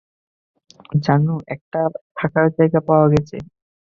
জানো, একটা থাকার জায়গা পাওয়া গেছে!